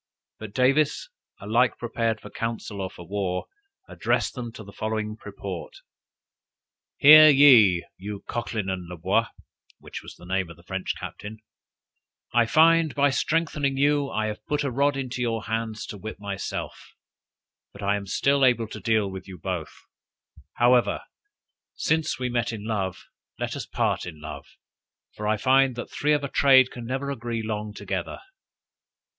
But Davis, alike prepared for council or for war, addressed them to the following purport: "Hear ye, you Cochlyn and La Boise, (which was the name of the French captain) I find, by strengthening you, I have put a rod into your hands to whip myself; but I am still able to deal with you both: however, since we met in love, let us part in love; for I find that three of a trade can never agree long together."